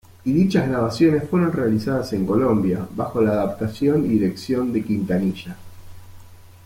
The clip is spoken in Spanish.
Y dichas grabaciones fueron realizadas en Colombia, bajo la adaptación y dirección de Quintanilla.